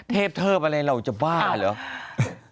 เทพเทิบอะไรเราจะบ้าเหรอ